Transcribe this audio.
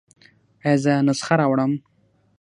ایا زه نسخه راوړم؟